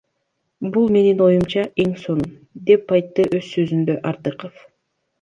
Бул менин оюмча эн сонун, — деп айтты оз созундо Артыков.